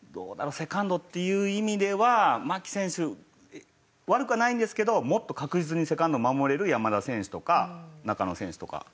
セカンドっていう意味では牧選手悪くはないんですけどもっと確実にセカンドを守れる山田選手とか中野選手とかの方がいいのかな？